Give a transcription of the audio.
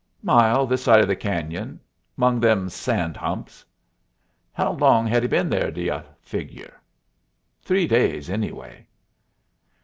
"Mile this side the cañon. 'Mong them sand humps." "How long had he been there, do y'u figure?" "Three days, anyway."